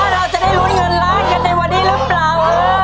เราจะได้ลุ้นเงินล้านกันในวันนี้หรือเปล่า